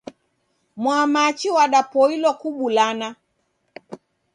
Mwamachi wadapoilwa kubulana.